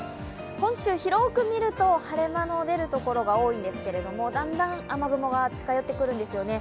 本州、広く見ると、晴れ間の出る所が多いんですけどだんだん雨雲が近寄ってくるんですよね。